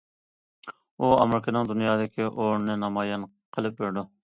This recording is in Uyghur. ئۇ ئامېرىكىنىڭ دۇنيادىكى ئورنىنى نامايان قىلىپ بېرىدۇ.